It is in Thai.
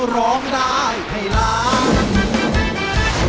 ร้องได้ให้ล้าน